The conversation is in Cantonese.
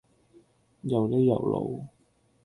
又呢又路